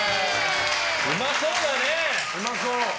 うまそうだね！